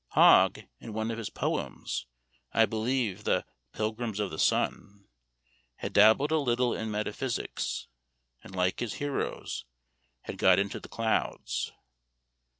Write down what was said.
Hogg, in one of his poems, I believe the "Pilgrims of the Sun," had dabbled a little in metaphysics, and like his heroes, had got into the clouds.